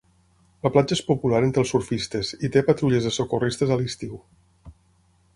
La platja és popular entre els surfistes i té patrulles de socorristes a l'estiu.